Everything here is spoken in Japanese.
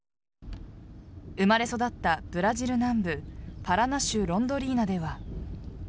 生まれ育ったブラジル南部パラナ州ロンドリーナでは。